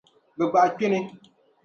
Bɛ gbahi kpini.